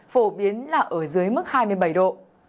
phổ biến là ở dưới mức hai mươi bảy độ